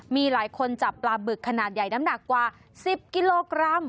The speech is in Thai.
มีหลายคนจับปลาบึกขนาดใหญ่กว่าสิบกิโลกรัม